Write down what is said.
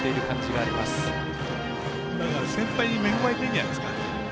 だから、先輩に恵まれてんじゃないですか。